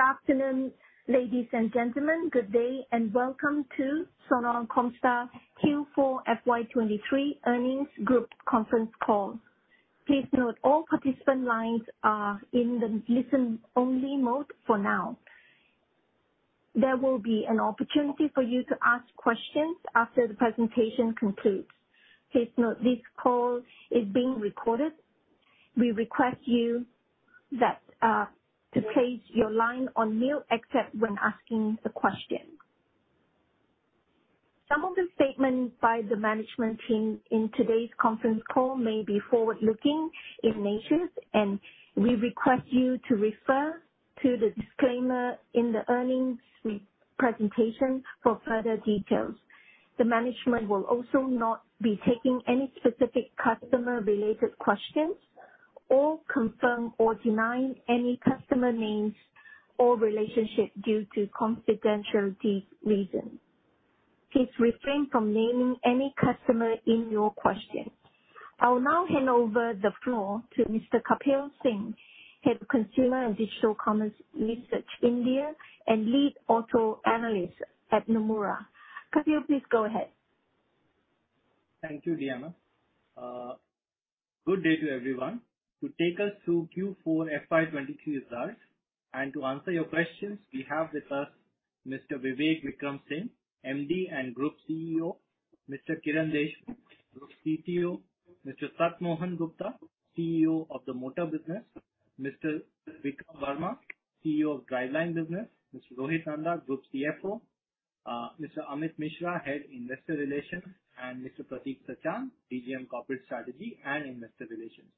Good afternoon, ladies and gentlemen. Good day and welcome to Sona Comstar Q4 FY23 Earnings Group Conference Call. Please note all participant lines are in the listen-only mode for now. There will be an opportunity for you to ask questions after the presentation concludes. Please note this call is being recorded. We request you that to place your line on mute except when asking the question. Some of the statements by the management team in today's conference call may be forward-looking in nature, and we request you to refer to the disclaimer in the earnings presentation for further details. The management will also not be taking any specific customer-related questions or confirm or deny any customer names or relationship due to confidentiality reasons. Please refrain from naming any customer in your question. I will now hand over the floor to Mr.Kapil Singh, Head of Consumer & Digital Commerce Research India and Lead Auto Analyst at Nomura. Kapil, please go ahead. Thank you, Diana. Good day to everyone. To take us through Q4 FY2023 results and to answer your questions, we have with us Mr. Vivek Vikram Singh, MD & Group CEO. Mr. Kiran Deshmukh, Group CTO. Mr. Sat Mohan Gupta, CEO of the Motor Business. Mr. Vikram Verma, CEO of Driveline Business. Mr. Rohit Nanda, Group CFO. Mr. Amit Mishra, Head Investor Relations, and Mr. Pratik Sachan, DGM Corporate Strategy and Investor Relations.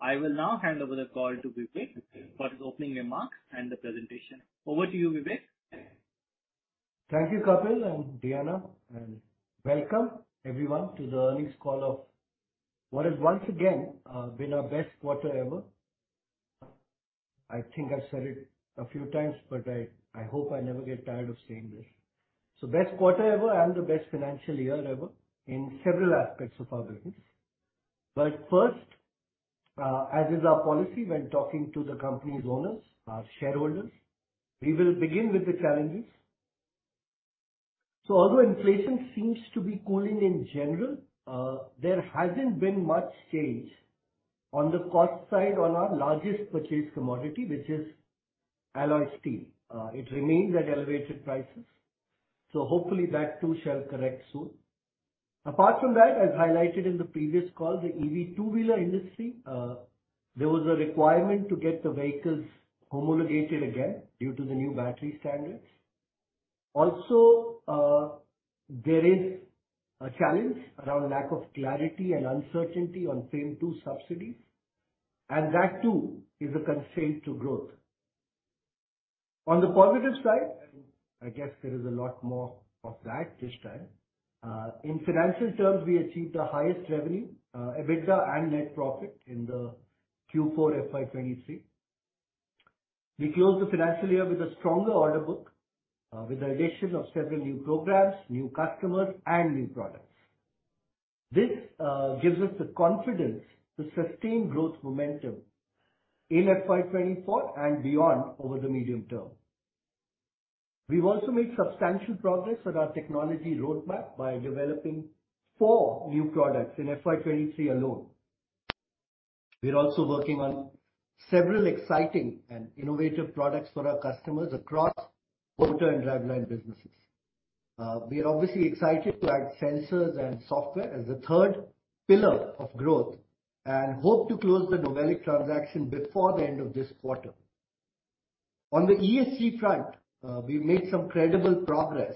I will now hand over the call to Vivek for his opening remarks and the presentation. Over to you, Vivek. Thank you, Kapil and Diana, welcome everyone to the earnings call of what is once again, been our best quarter ever. I think I've said it a few times, but I hope I never get tired of saying this. Best quarter ever and the best financial year ever in several aspects of our business. First, as is our policy when talking to the company's owners, our shareholders, we will begin with the challenges. Although inflation seems to be cooling in general, there hasn't been much change on the cost side on our largest purchased commodity, which is alloy steel. It remains at elevated prices, hopefully that too shall correct soon. Apart from that, as highlighted in the previous call, the EV two-wheeler industry, there was a requirement to get the vehicles homologated again due to the new battery standards. There is a challenge around lack of clarity and uncertainty on phase two subsidies, and that too is a constraint to growth. On the positive side, I guess there is a lot more of that this time. In financial terms, we achieved our highest revenue, EBITDA and net profit in the Q4 FY2023. We closed the financial year with a stronger order book, with the addition of several new programs, new customers and new products. This gives us the confidence to sustain growth momentum in FY2024 and beyond over the medium term. We've also made substantial progress on our technology roadmap by developing four new products in FY2023 alone. We're also working on several exciting and innovative products for our customers across motor and driveline businesses. We are obviously excited to add sensors and software as a third pillar of growth and hope to close the NOVELIC transaction before the end of this quarter. On the ESG front, we've made some credible progress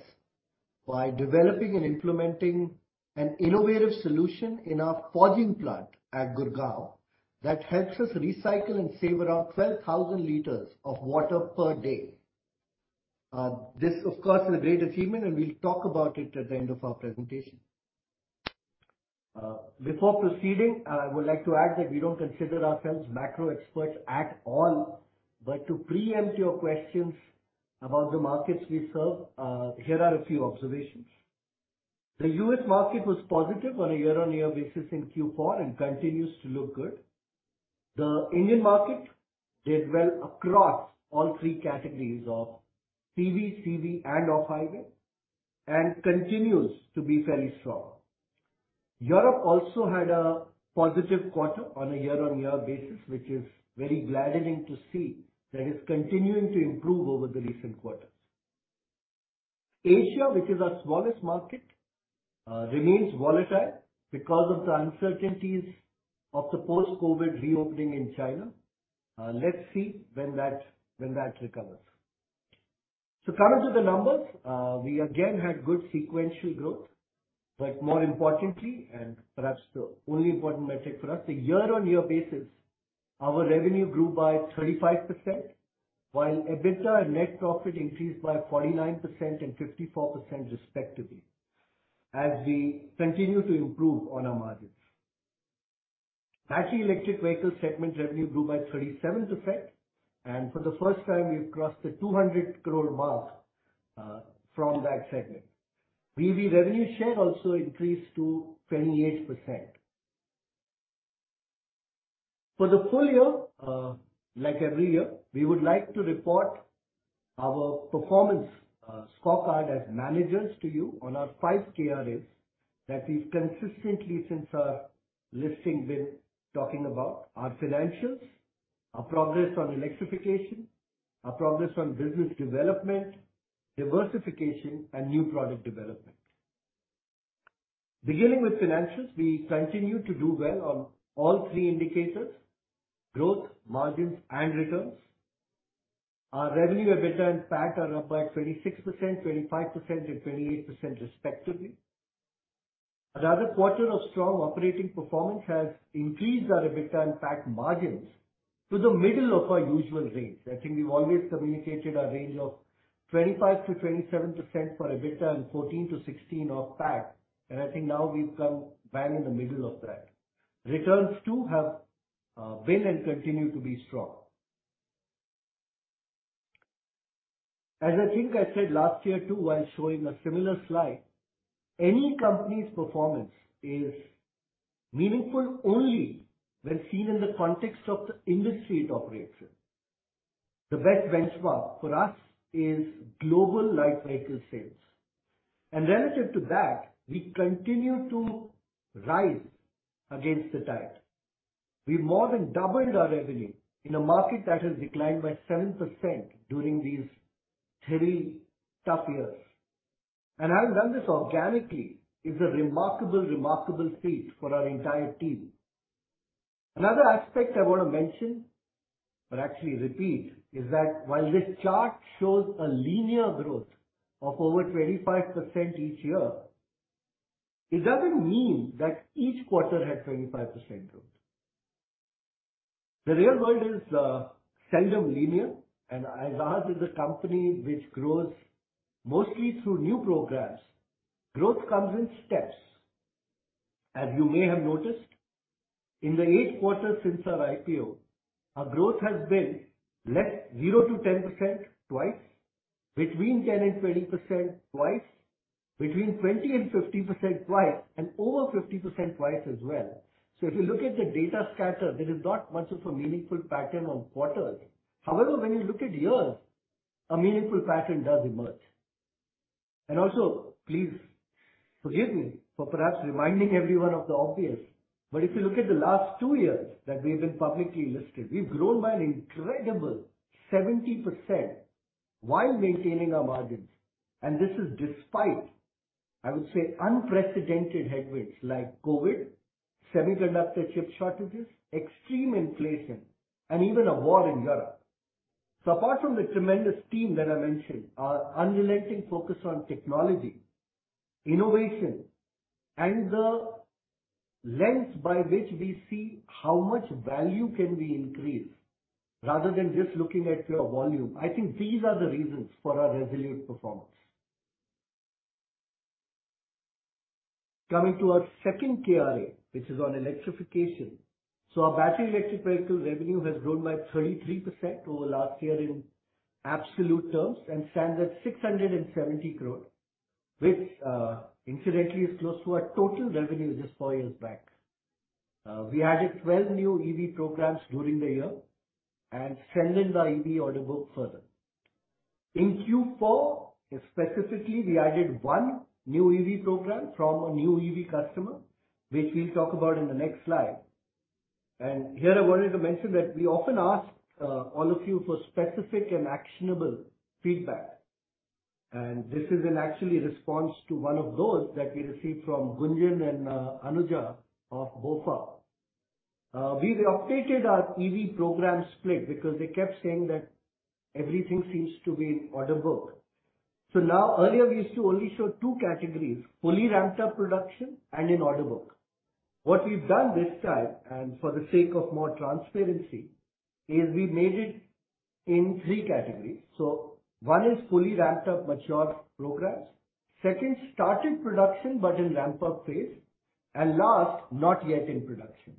by developing and implementing an innovative solution in our forging plant at Gurgaon that helps us recycle and save around 12,000 liters of water per day. This of course is a great achievement, and we'll talk about it at the end of our presentation. Before proceeding, I would like to add that we don't consider ourselves macro experts at all, but to preempt your questions about the markets we serve, here are a few observations. The U.S. market was positive on a year-on-year basis in Q4 and continues to look good. The Indian market did well across all three categories of PV, CV and off-highway and continues to be fairly strong. Europe also had a positive quarter on a year-on-year basis, which is very gladdening to see that it's continuing to improve over the recent quarters. Asia, which is our smallest market, remains volatile because of the uncertainties of the post-COVID reopening in China. Let's see when that recovers. Coming to the numbers, we again had good sequential growth, but more importantly, and perhaps the only important metric for us, a year-on-year basis, our revenue grew by 35%, while EBITDA and net profit increased by 49% and 54% respectively as we continue to improve on our margins. Battery electric vehicle segment revenue grew by 37%, and for the first time we've crossed the 200 crore mark from that segment. EV revenue share also increased to 28%. For the full year, like every year, we would like to report our performance scorecard as managers to you on our 5 KRAs that we've consistently since our listing been talking about our financials, our progress on electrification, our progress on business development, diversification, and new product development. Beginning with financials, we continue to do well on all three indicators growth, margins, and returns. Our revenue, EBITDA and PAT are up by 36%, 25%, and 28% respectively. Another quarter of strong operating performance has increased our EBITDA and PAT margins to the middle of our usual range. I think we've always communicated our range of 25%-27% for EBITDA and 14%-16% of PAT, and I think now we've come bang in the middle of that. Returns, too, have been and continue to be strong. As I think I said last year, too, while showing a similar slide, any company's performance is meaningful only when seen in the context of the industry it operates in. The best benchmark for us is global light vehicle sales, relative to that, we continue to rise against the tide. We've more than doubled our revenue in a market that has declined by 7% during these three tough years. Having done this organically is a remarkable feat for our entire team. Another aspect I wanna mention, but actually repeat, is that while this chart shows a linear growth of over 25% each year, it doesn't mean that each quarter had 25% growth. The real world is seldom linear, as ours is a company which grows mostly through new programs, growth comes in steps. As you may have noticed, in the eight quarters since our IPO, our growth has been less 0%-10% twice, between 10%-20% twice, between 20%-50% twice, and over 50% twice as well. If you look at the data scatter, there is not much of a meaningful pattern on quarters. However, when you look at years, a meaningful pattern does emerge. Also, please forgive me for perhaps reminding everyone of the obvious, but if you look at the last two years that we've been publicly listed, we've grown by an incredible 70% while maintaining our margins. This is despite, I would say, unprecedented headwinds like COVID, semi-conductor chip shortages, extreme inflation, and even a war in Europe. Apart from the tremendous team that I mentioned, our unrelenting focus on technology, innovation and the lens by which we see how much value can we increase rather than just looking at pure volume, I think these are the reasons for our resilient performance. Coming to our second KRA, which is on electrification. Our battery electric vehicle revenue has grown by 33% over last year in absolute terms and stands at 670 crore, which incidentally is close to our total revenue just four years back. We added 12 new EV programs during the year and strengthened our EV order book further. In Q4 specifically, we added one new EV program from a new EV customer, which we'll talk about in the next slide. Here I wanted to mention that we often ask all of you for specific and actionable feedback. This is in actually response to one of those that we received from Gunjan and Anuja of BofA. We've updated our EV program split because they kept saying that everything seems to be order book. Now, earlier we used to only show two categories, fully ramped up production and in order book. What we've done this time, and for the sake of more transparency, is we made it in three categories. One is fully ramped up mature programs. Second, started production but in ramp up phase. Last, not yet in production.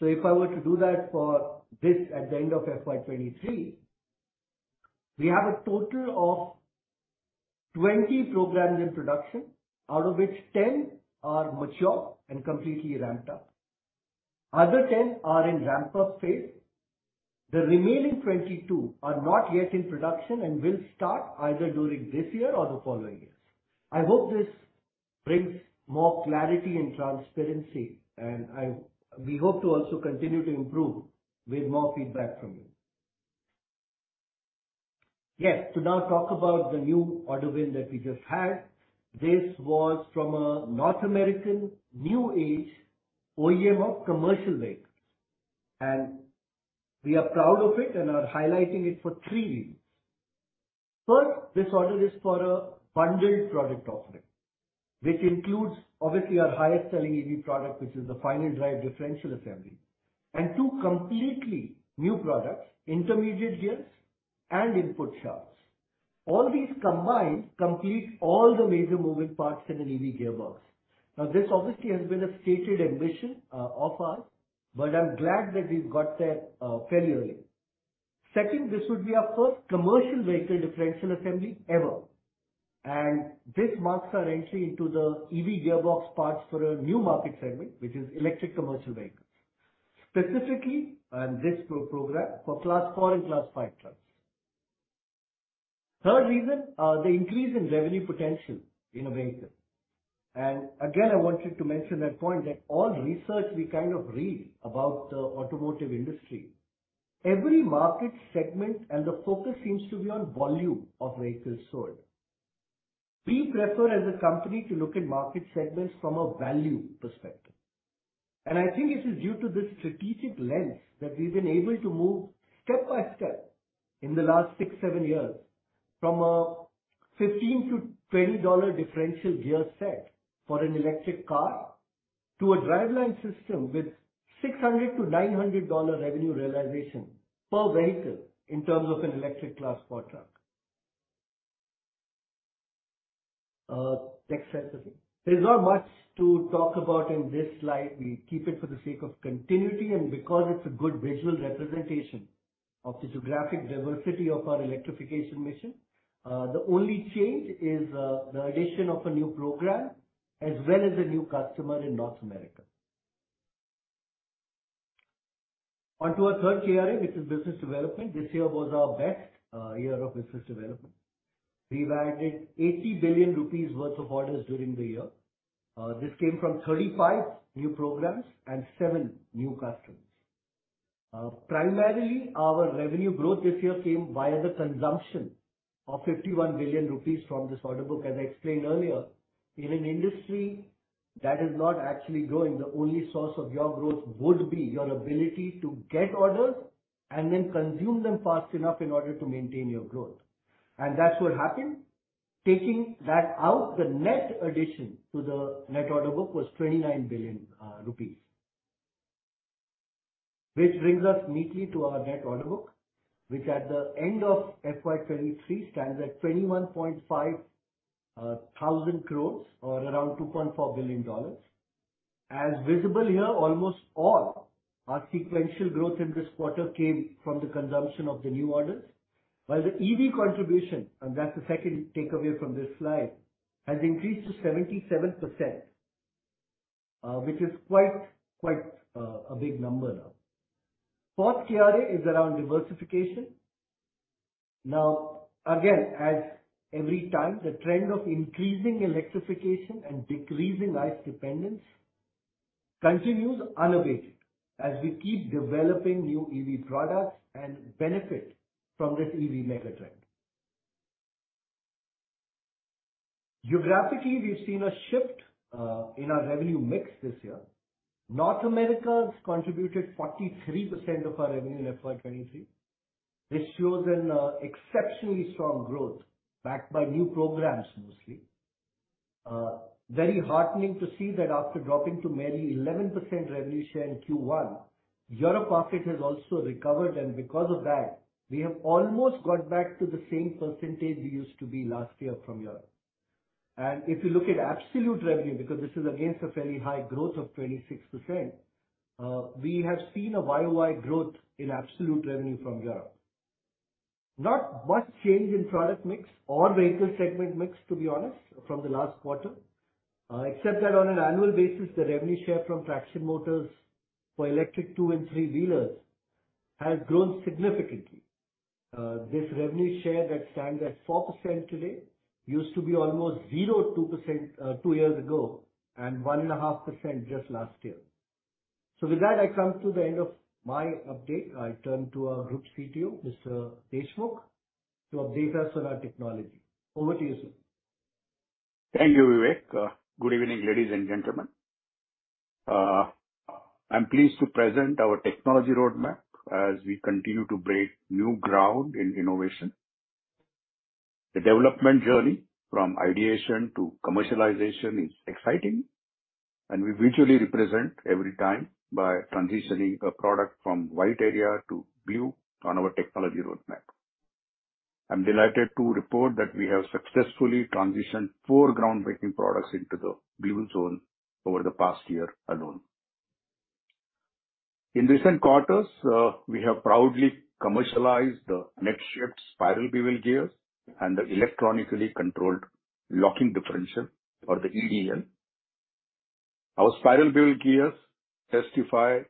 If I were to do that for this at the end of FY2023, we have a total of 20 programs in production, out of which 10 are mature and completely ramped up. Other 10 are in ramp up phase. The remaining 22 are not yet in production and will start either during this year or the following years. I hope this brings more clarity and transparency, and we hope to also continue to improve with more feedback from you. Yes. To now talk about the new order win that we just had. This was from a North American New Age OEM of commercial vehicles, and we are proud of it and are highlighting it for three reasons. This order is for a bundled product offering, which includes obviously our highest selling EV product, which is the final drive differential assembly and two completely new products, intermediate gears and input shafts. All these combined complete all the major moving parts in an EV gearbox. This obviously has been a stated ambition of ours, I'm glad that we've got there fairly early. This would be our first commercial vehicle differential assembly ever. This marks our entry into the EV gearbox parts for a new market segment, which is electric commercial vehicles. Specifically, this program for Class 4 and Class 5 trucks. The increase in revenue potential in a vehicle. I wanted to mention that point that all research we kind of read about the automotive industry, every market segment and the focus seems to be on volume of vehicles sold. We prefer, as a company, to look at market segments from a value perspective. I think it is due to this strategic lens that we've been able to move step by step in the last six, seven years from a $15-$20 differential gear set for an electric car to a driveline system with $600-$900 revenue realization per vehicle in terms of an electric Class 4 truck. Next slide, please. There's not much to talk about in this slide. We keep it for the sake of continuity and because it's a good visual representation of the geographic diversity of our electrification mission. The only change is the addition of a new program as well as a new customer in North America. On to our third KRA, which is business development. This year was our best year of business development. We landed 80 billion rupees worth of orders during the year. This came from 35 new programs and seven new customers. Primarily, our revenue growth this year came via the consumption of 51 billion rupees from this order book. As I explained earlier, in an industry that is not actually growing, the only source of your growth would be your ability to get orders and then consume them fast enough in order to maintain your growth. That's what happened. Taking that out, the net addition to the net order book was 29 billion rupees. Which brings us neatly to our net order book, which at the end of FY2023 stands at 21.5 thousand crores or around $2.4 billion. As visible here, almost all our sequential growth in this quarter came from the consumption of the new orders, while the EV contribution, and that's the second takeaway from this slide, has increased to 77%, which is quite a big number now. Fourth KRA is around diversification. Now, again, as every time, the trend of increasing electrification and decreasing ICE dependence continues unabated as we keep developing new EV products and benefit from this EV mega trend. Geographically, we've seen a shift in our revenue mix this year. North America has contributed 43% of our revenue in FY2023, which shows an exceptionally strong growth backed by new programs mostly. Very heartening to see that after dropping to merely 11% revenue share in Q1, Europe market has also recovered. Because of that, we have almost got back to the same percentage we used to be last year from Europe. If you look at absolute revenue, because this is against a fairly high growth of 26%, we have seen a YOY growth in absolute revenue from Europe. Not much change in product mix or vehicle segment mix, to be honest, from the last quarter, except that on an annual basis, the revenue share from traction motors for electric 2 and 3-wheelers has grown significantly. This revenue share that stands at 4% today used to be almost 0%-2%, 2 years ago and 1.5% just last year. With that, I come to the end of my update. I turn to our Group CTO, Mr. Deshmukh, to update us on our technology. Over to you, sir. Thank you, Vivek. Good evening, ladies and gentlemen. I'm pleased to present our technology roadmap as we continue to break new ground in innovation. The development journey from idealization to commercialization is exciting, and we visually represent every time by transitioning a product from white area to blue on our technology roadmap. I'm delighted to report that we have successfully transitioned four ground-breaking products into the blue zone over the past year alone. In recent quarters, we have proudly commercialized the NexShift spiral bevel gears and the electronically controlled locking differential for the EDL. Our spiral bevel gears testify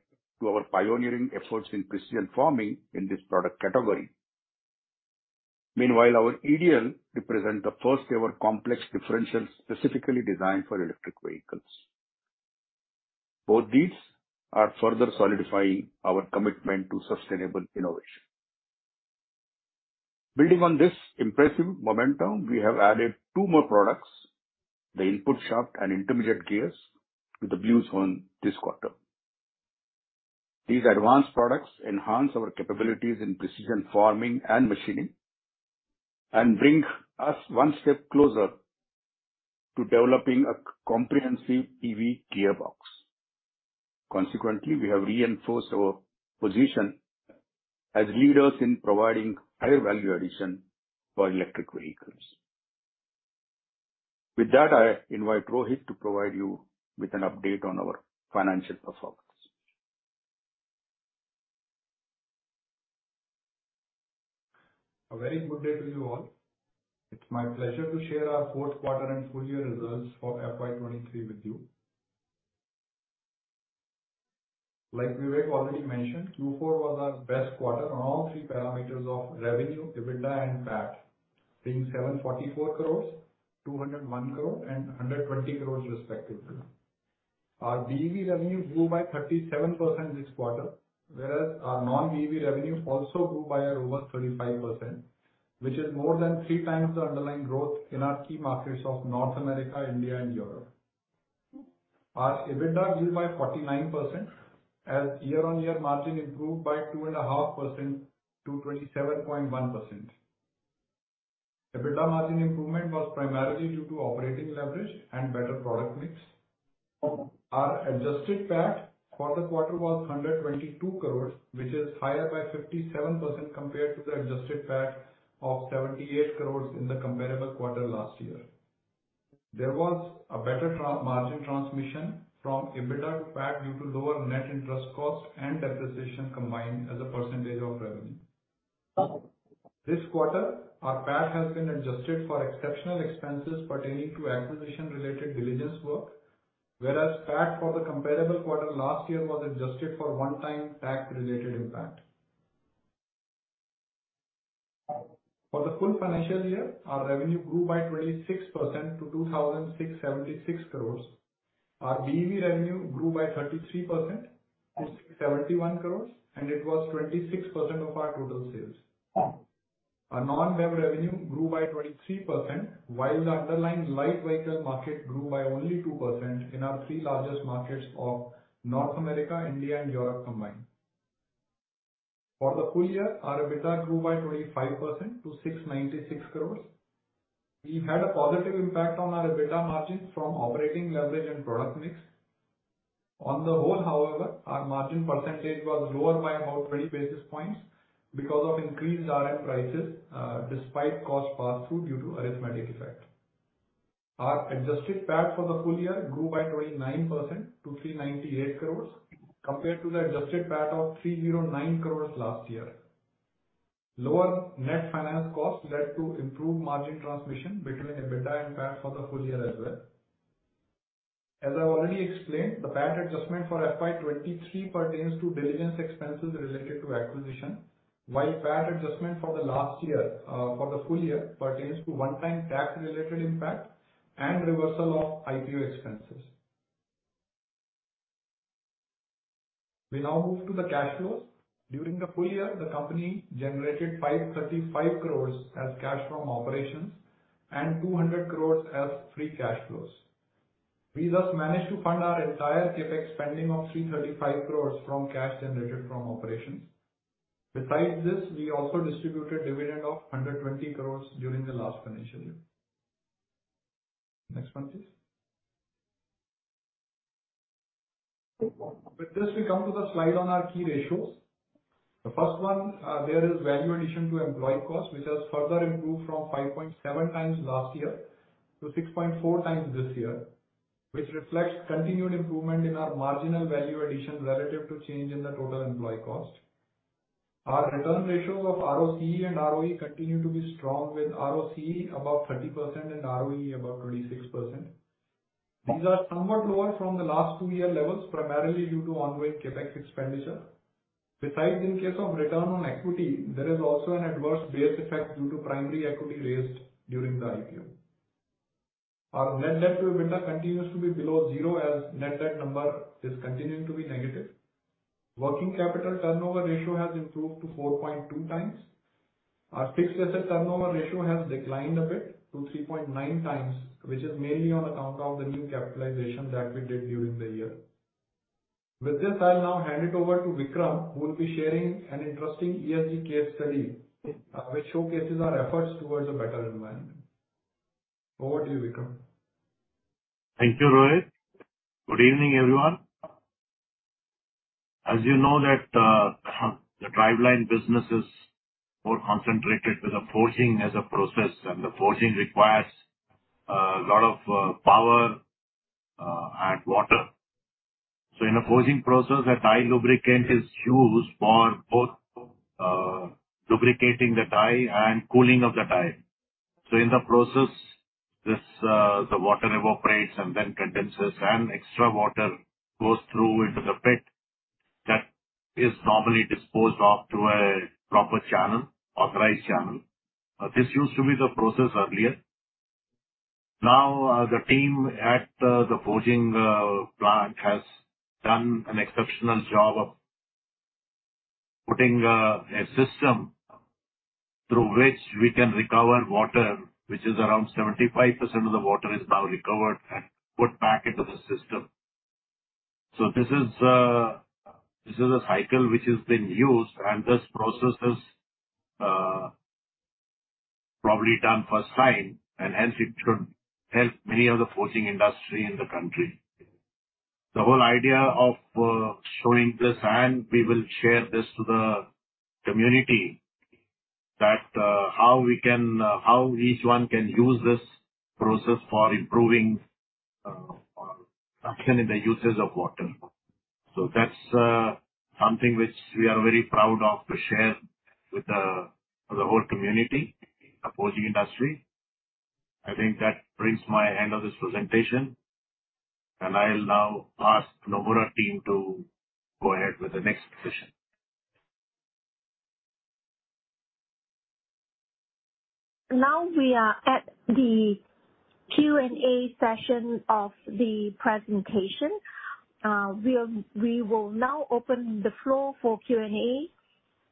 to our pioneering efforts in precision forming in this product category. Meanwhile, our EDL represent the first-ever complex differential specifically designed for electric vehicles. Both these are further solidifying our commitment to sustainable innovation. Building on this impressive momentum, we have added two more products, the input shaft and intermediate gears, to the blue zone this quarter. These advanced products enhance our capabilities in precision forming and machining and bring us one step closer to developing a comprehensive EV gearbox. Consequently, we have reinforced our position as leaders in providing higher value addition for electric vehicles. With that, I invite Rohit to provide you with an update on our financial performance. A very good day to you all. It's my pleasure to share our fourth quarter and full year results for FY2023 with you. Vivek already mentioned, Q4 was our best quarter on all three parameters of revenue, EBITDA and PAT, being 744 crores, 201 crore and 120 crores respectively. Our BEV revenue grew by 37% this quarter, whereas our non-BEV revenue also grew by a robust 35%, which is more than 3x the underlying growth in our key markets of North America, India and Europe. Our EBITDA grew by 49% as year-on-year margin improved by 2.5% to 27.1%. EBITDA margin improvement was primarily due to operating leverage and better product mix. Our adjusted PAT for the quarter was 122 crores, which is higher by 57% compared to the adjusted PAT of 78 crores in the comparable quarter last year. There was a better margin transmission from EBITDA PAT due to lower net interest costs and depreciation combined as a percentage of revenue. This quarter, our PAT has been adjusted for exceptional expenses pertaining to acquisition-related diligence work, whereas PAT for the comparable quarter last year was adjusted for one-time tax-related impact. For the full financial year, our revenue grew by 26% to 2,676 crores. Our BEV revenue grew by 33% to 671 crores. It was 26% of our total sales. Our non-BEV revenue grew by 23%, while the underlying light vehicle market grew by only 2% in our three largest markets of North America, India and Europe combined. For the full year, our EBITDA grew by 25% to 696 crores. We had a positive impact on our EBITDA margin from operating leverage and product mix. On the whole, however, our margin percentage was lower by about 30 basis points because of increased RM prices, despite cost pass-through due to arithmetic effect. Our adjusted PAT for the full year grew by 29% to 398 crores compared to the adjusted PAT of 309 crores last year. Lower net finance costs led to improved margin transmission between EBITDA and PAT for the full year as well. As I've already explained, the PAT adjustment for FY2023 pertains to diligence expenses related to acquisition, while PAT adjustment for the last year, for the full year pertains to one-time tax-related impact and reversal of IPO expenses. We now move to the cash flows. During the full year, the company generated 535 crores as cash from operations and 200 crores as free cash flows. We thus managed to fund our entire CapEx spending of 335 crores from cash generated from operations. Besides this, we also distributed dividend of 120 crores during the last financial year. Next one, please. With this, we come to the slide on our key ratios. The first one, there is value addition to employee cost, which has further improved from 5.7 times last year to 6.4 times this year, which reflects continued improvement in our marginal value addition relative to change in the total employee cost. Our return ratio of ROCE and ROE continue to be strong, with ROCE above 30% and ROE above 26%. These are somewhat lower from the last two year levels, primarily due to ongoing CapEx expenditure. Besides, in case of return on equity, there is also an adverse base effect due to primary equity raised during the IPO. Our net debt to EBITDA continues to be below zero as net debt number is continuing to be negative. Working capital turnover ratio has improved to 4.2 times. Our fixed asset turnover ratio has declined a bit to 3.9 times, which is mainly on account of the new capitalization that we did during the year. With this, I'll now hand it over to Vikram, who will be sharing an interesting ESG case study, which showcases our efforts towards a better environment. Over to you, Vikram. Thank you, Rohit. Good evening, everyone. As you know that, the Driveline Business is more concentrated with the forging as a process, and the forging requires a lot of power and water. In the forging process, a die lubricant is used for both lubricating the die and cooling of the die. In the process, this the water evaporates and then condenses and extra water goes through into the pit that is normally disposed of to a proper channel, authorized channel. This used to be the process earlier. Now, the team at the forging plant has done an exceptional job of putting a system through which we can recover water, which is around 75% of the water is now recovered and put back into the system. This is a cycle which is being used and this process is probably done first time and hence it should help many of the forging industry in the country. The whole idea of showing this, and we will share this to the community, that how we can, how each one can use this process for improving actually the uses of water. That's something which we are very proud of to share with the whole community opposing industry. I think that brings my end of this presentation, and I'll now ask Nomura team to go ahead with the next session. Now we are at the Q&A session of the presentation. we will now open the floor for Q&A.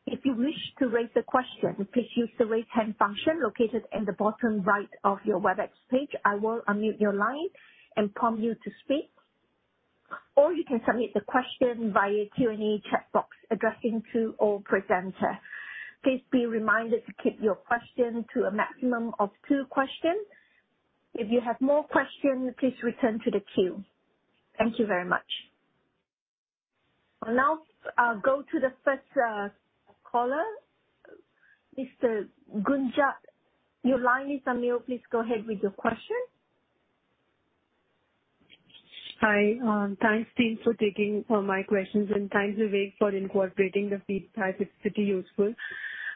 If you wish to raise a question, please use the Raise Hand function located in the bottom right of your Webex page. I will unmute your line and prompt you to speak. Or you can submit the question via Q&A chat box addressing to all presenters. Please be reminded to keep your question to a maximum of two questions. If you have more questions, please return to the queue. Thank you very much. I'll now go to the first caller, Mr. Gunjan. Your line is unmute. Please go ahead with your question. Hi. Thanks team for taking my questions and thanks Vivek for incorporating the feedback. It's pretty useful.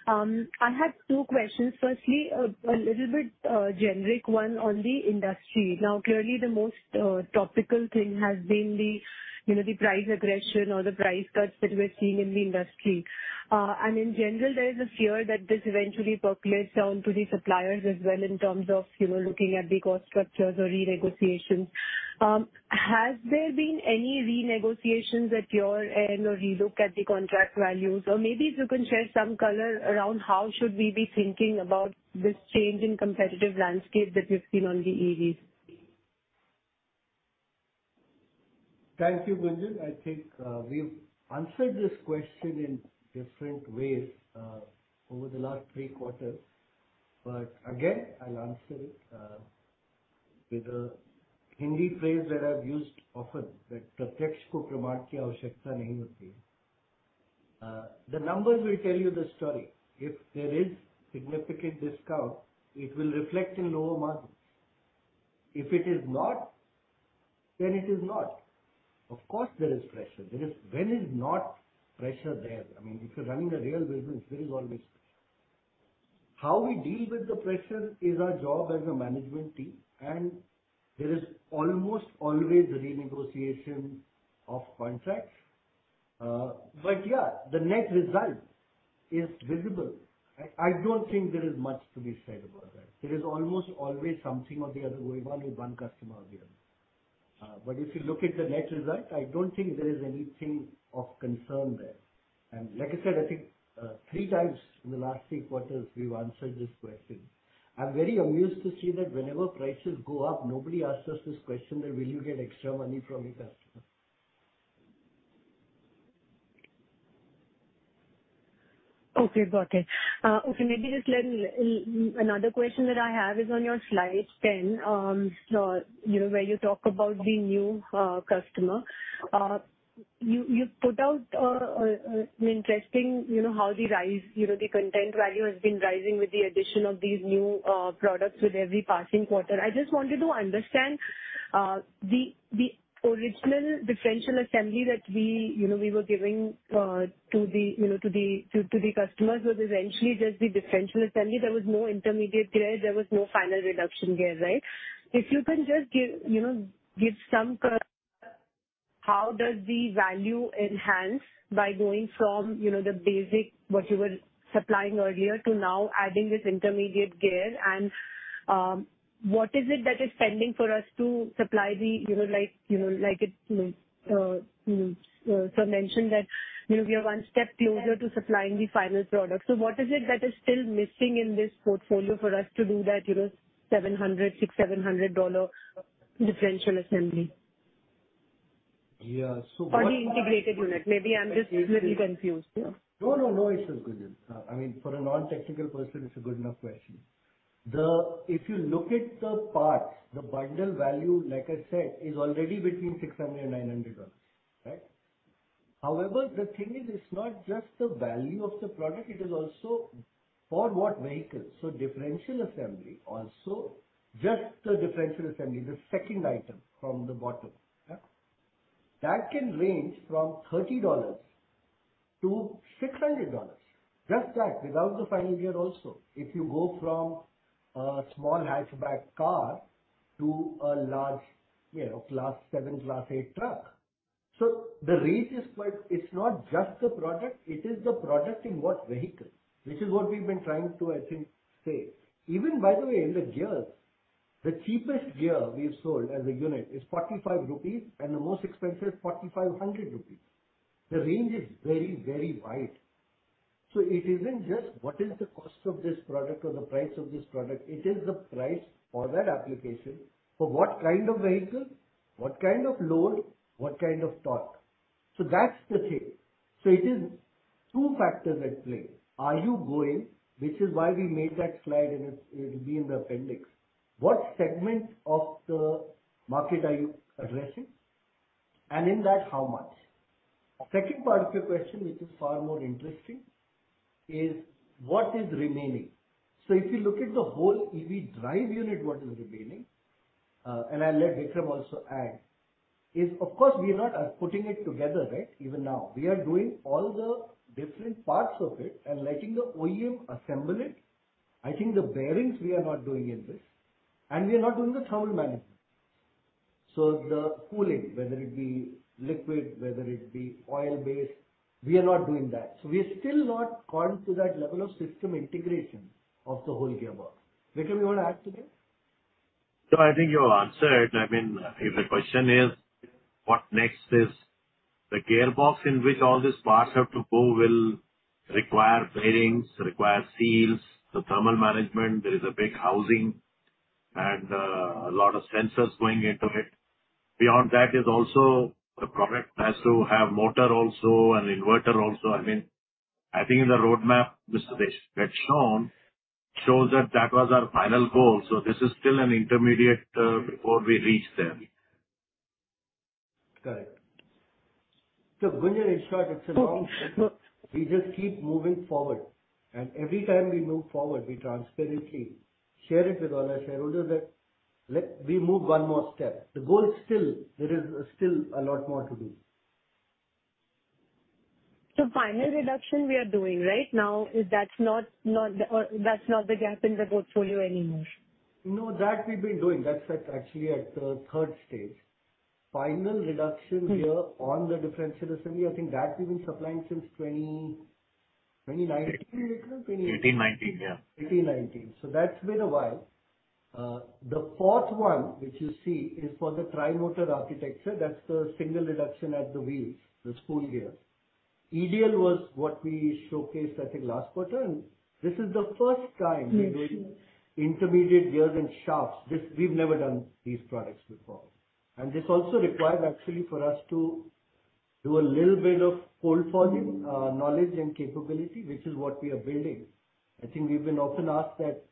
I have two questions. Firstly, a little bit generic one on the industry. Now, clearly, the most topical thing has been the, you know, the price aggression or the price cuts that we're seeing in the industry. In general, there is a fear that this eventually percolates down to the suppliers as well in terms of, you know, looking at the cost structures or renegotiations. Has there been any renegotiations at your end or relook at the contract values? Maybe if you can share some color around how should we be thinking about this change in competitive landscape that we've seen on the EVs? Thank you, Gunjan. I think, we've answered this question in different ways, over the last three quarters, but again, I'll answer it, with a Hindi phrase that I've used often that Okay. Got it. Okay, maybe just another question that I have is on your slide 10, you know, where you talk about the new customer. You put out an interesting, you know, how the rise, you know, the content value has been rising with the addition of these new products with every passing quarter. I just wanted to understand the original differential assembly that we, you know, we were giving to the customers was essentially just the differential-assembly. There was no intermediate gear, there was no final reduction gear, right? If you can just give, you know, give some color, how does the value enhance by going from, you know, the basic what you were supplying earlier to now adding this Intermediate Gear and, what is it that is pending for us to supply the, you know, like, you know, like it so mentioned that, you know, we are one step closer to supplying the final product? What is it that is still missing in this portfolio for us to do that, you know, $700, $600-$700 Differential Assembly? Yeah. The integrated unit. Maybe I'm just little confused here. No, no. Gunjan. I mean, for a non-technical person, it's a good enough question. If you look at the parts, the bundle value, like I said, is already between $600-$900, right? However, the thing is, it's not just the value of the product, it is also for what vehicles. Differential-assembly also, just the differential assembly, the second item from the bottom, yeah, that can range from $30-$600, just that, without the final gear also. If you go from a small hatchback car to a large, you know, Class 7, Class 8 truck. The range is quite. It's not just the product, it is the product in what vehicle, which is what we've been trying to, I think, say. Even by the way, in the gears, the cheapest gear we've sold as a unit is 45 rupees and the most expensive 4,500 rupees. The range is very, very wide. It isn't just what is the cost of this product or the price of this product, it is the price for that application. For what kind of vehicle, what kind of load, what kind of torque. That's the thing. It is two factors at play. Are you growing? Which is why we made that slide, and it's, it'll be in the appendix. What segment of the market are you addressing, and in that, how much? Second part of your question, which is far more interesting, is what is remaining. If you look at the whole EV drive unit, what is remaining, and I'll let Vikram also add, is, of course, we are not putting it together, right? Even now. We are doing all the different parts of it and letting the OEM assemble it. I think the bearings we are not doing in this, and we are not doing the thermal-management. The cooling, whether it be liquid, whether it be oil-based, we are not doing that. We are still not gone to that level of system integration of the whole gearbox. Vikram, you want to add to that? I think you answered. I mean, if the question is what next is the gearbox in which all these parts have to go will require bearings, require seals, the thermal management, there is a big housing and a lot of sensors going into it. Beyond that is also the product has to have motor also and inverter also. I mean, I think in the roadmap, this that's shown shows that that was our final goal, so this is still an intermediate before we reach there. Correct. Gunja, in short. We just keep moving forward, and every time we move forward, we transparently share it with all our shareholders. We move one more step. The goal is still a lot more to do. Final reduction we are doing right now, that's not the gap in the portfolio anymore. That we've been doing. That's actually at the third stage. Final reduction. Mm-hmm. here on the differential assembly, I think that we've been supplying since 2019, Vikram? 18, 19. Yeah. 18, 19. That's been a while. The fourth one, which you see is for the tri-motor architecture, that's the single reduction at the wheels, the spool gear. EDL was what we showcased, I think, last quarter. This is the first time. Mm-hmm. we're doing intermediate gears and shafts. We've never done these products before. This also required actually for us to do a little bit of cold forging knowledge and capability, which is what we are building. I think we've been often asked that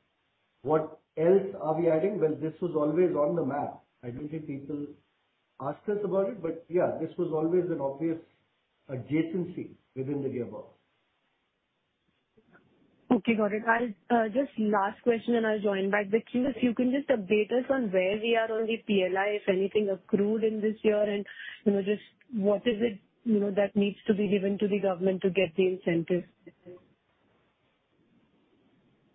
what else are we adding? Well, this was always on the map. I don't think people asked us about it, but yeah, this was always an obvious adjacency within the gearbox. Okay, got it. I'll just last question, and I'll join back the queue. If you can just update us on where we are on the PLI, if anything accrued in this year and, you know, just what is it, you know, that needs to be given to the government to get the incentive?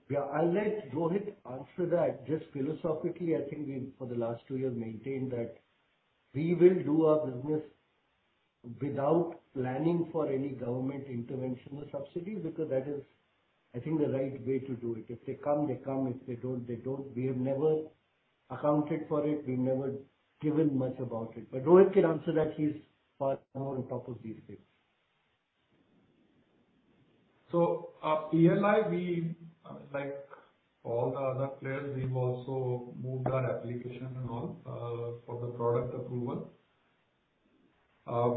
Yeah, I'll let Rohit answer that. Just philosophically, I think we, for the last two years, maintained that we will do our business without planning for any government intervention or subsidy, because that is, I think, the right way to do it. If they come, they come. If they don't, they don't. We have never accounted for it. We've never given much about it. Rohit can answer that. He's far more on top of these things. PLI, we, like all the other players, we've also moved our application and all for the product approval.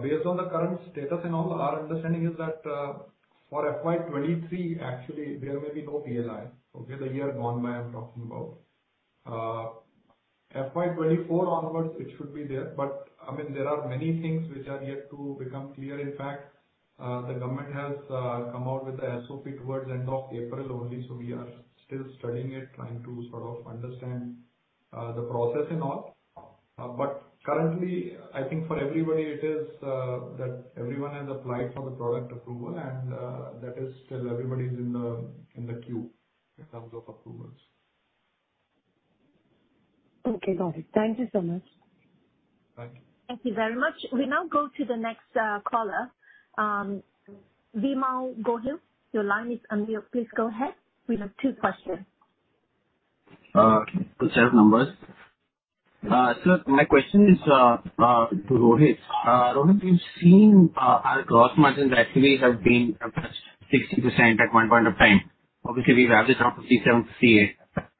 Based on the current status and all, our understanding is that for FY23, actually, there may be no PLI. Okay? The year gone by, I'm talking about. FY24 onwards, it should be there. I mean, there are many things which are yet to become clear. In fact, the government has come out with a SOP towards end of April only, we are still studying it, trying to sort of understand the process and all. Currently, I think for everybody it is that everyone has applied for the product approval and that is still everybody's in the, in the queue in terms of approvals. Okay, got it. Thank you so much. Thank you. Thank you very much. We now go to the next caller. Vimal Gohil, your line is unmute. Please go ahead. We have two questions. Good set of numbers. My question is to Rohit. Rohit, we've seen our gross margins actually have been almost 60% at one point of time. Obviously, we've averaged around 57, 58.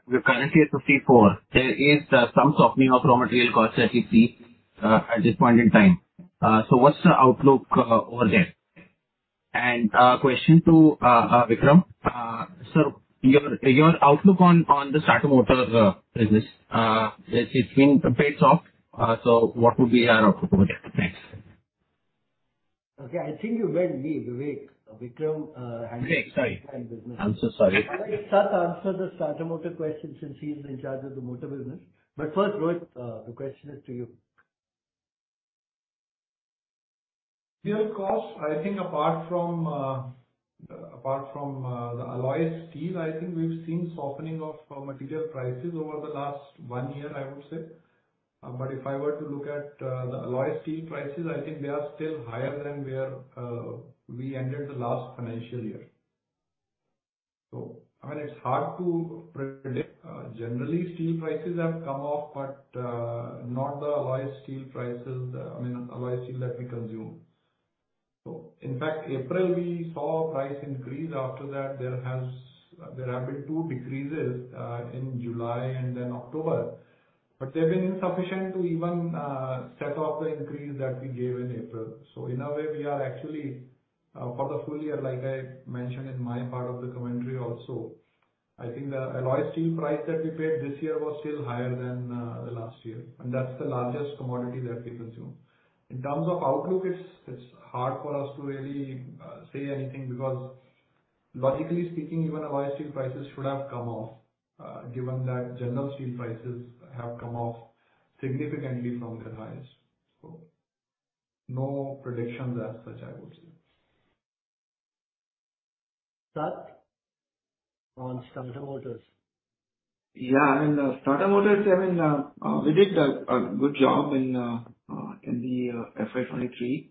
We're currently at 54. There is some softening of raw material costs that we see at this point in time. What's the outlook over there? Question to Vikram. Your, your outlook on the starter motor business. It's been a bit soft. What would be our outlook over there? Thanks. Okay. I think you meant me, Vivek. Vikram handles. Okay, sorry. the business. I'm so sorry. I'll let Sat answer the starter motor question since he is in charge of the Motor Business. First, Rohit, the question is to you. Raw costs, I think apart from the alloy steel, I think we've seen softening of material prices over the last one year, I would say. If I were to look at the alloy steel prices, I think they are still higher than where we ended the last financial year. I mean, it's hard to predict. Generally, steel prices have come off, but not the alloy steel prices, I mean, alloy steel that we consume. In fact, April, we saw a price increase. After that, there have been two decreases in July and then October. They've been insufficient to even set off the increase that we gave in April. In a way, we are actually for the full year, like I mentioned in my part of the commentary also, I think the alloy steel price that we paid this year was still higher than the last year, and that's the largest commodity that we consume. In terms of outlook, it's hard for us to really say anything because logically speaking, even alloy steel prices should have come off given that general steel prices have come off significantly from their highs. No predictions as such, I would say. Sat, on starter motors. Yeah, I mean, starter motors, I mean, we did a good job in the FY2023,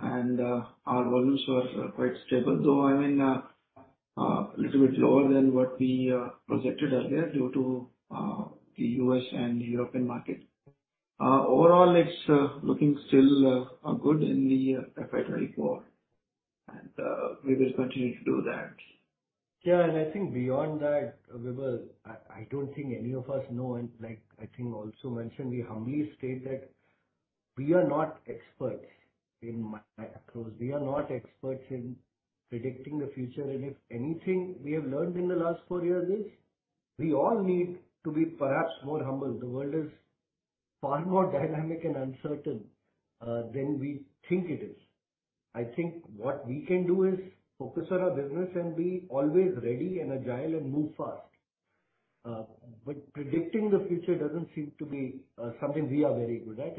and our volumes were quite stable. Though, I mean, a little bit lower than what we projected earlier due to the U.S. and the European market. Overall, it's looking still good in the FY2024, and we will continue to do that. I think beyond that, Vimal, I don't think any of us know, and like I think also mentioned, we humbly state that we are not experts in macros. We are not experts in predicting the future, and if anything we have learned in the last four years is we all need to be perhaps more humble. The world is far more dynamic and uncertain than we think it is. I think what we can do is focus on our business and be always ready and agile and move fast. Predicting the future doesn't seem to be something we are very good at,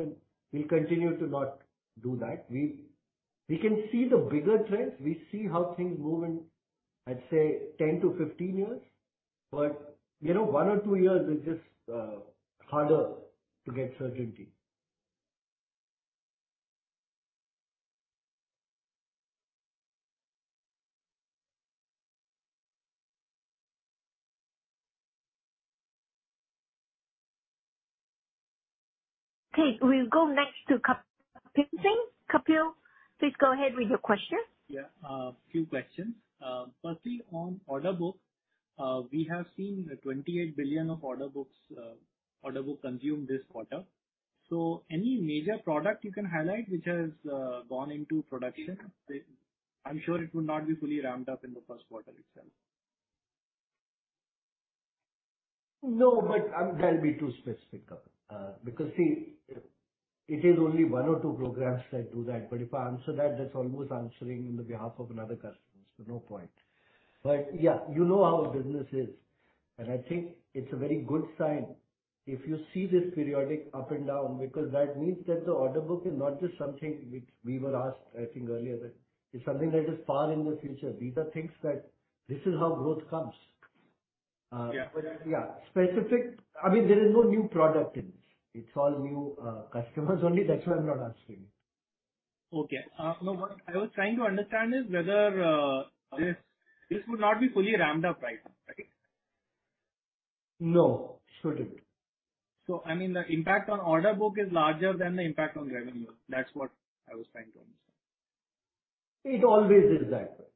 and we'll continue to not do that. We can see the bigger trends. We see how things move in, I'd say 10-15 years. You know, one or two years is just harder to get certainty. Okay, we'll go next to Kapil Singh. Kapil, please go ahead with your question. Few questions. Firstly, on order book, we have seen $28 billion of order book consume this quarter. Any major product you can highlight which has gone into production? I'm sure it would not be fully ramped up in the Q1 itself. That'll be too specific, Kapil. Because, see, it is only one or two programs that do that. If I answer that's almost answering in the behalf of another customer, so no point. Yeah, you know how a business is. I think it's a very good sign if you see this periodic up and down, because that means that the order book is not just something which we were asked, I think, earlier that it's something that is far in the future. These are things that this is how growth comes. Yeah. I mean, there is no new product in this. It's all new customers only. That's why I'm not answering it. No, what I was trying to understand is whether this would not be fully ramped up right now. Right? No, it should be. I mean, the impact on order book is larger than the impact on revenue. That's what I was trying to understand. It always is that